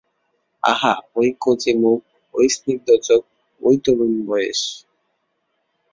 আহা, ঐ কচি মুখ, ঐ স্নিগ্ধ চোখ, ঐ তরুণ বয়েস!